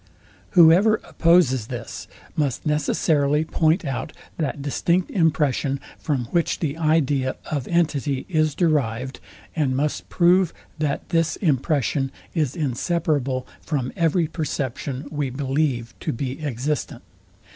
Whoever opposes this, must necessarily point out that distinct impression, from which the idea of entity is derived, and must prove, that this impression is inseparable from every perception we believe to be existent.